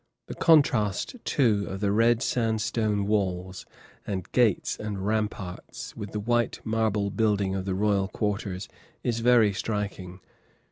The contrast, too, of the red sandstone walls and gates and ramparts, with the white marble buildings of the royal quarters, is very striking.